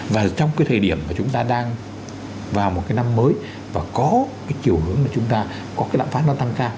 và có cái chiều hướng mà chúng ta có cái lạm phát nó tăng cao